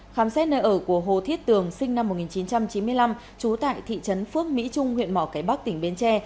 khám xét nơi ở của hồ thiết tường sinh năm một nghìn chín trăm chín mươi năm trú tại thị trấn phước mỹ trung huyện mỏ cái bắc tỉnh bến tre